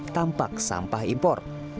tampak sampah impor